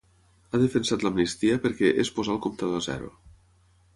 Ha defensat l’amnistia perquè ‘és posar el comptador a zero’.